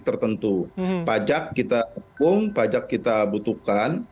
tertentu pajak kita dukung pajak kita butuhkan